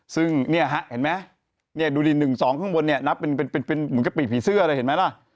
ซึ่งนี่เห็นไหมดูดิน๑๒ข้างบนเป็นกระปิกผีเสื้อเลยเห็นไหมล่ะ